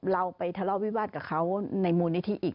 เราเพื่อนไปทะเลาวิบาลกับเขาในมูลนิธิอีก